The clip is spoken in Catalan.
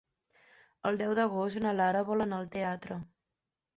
El deu d'agost na Lara vol anar al teatre.